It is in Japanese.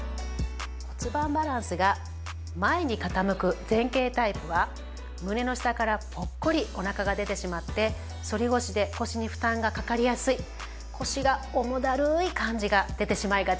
骨盤バランスが前に傾く前傾タイプは胸の下からぽっこりお腹が出てしまって反腰で腰に負担がかかりやすい腰が重だるい感じが出てしまいがちです。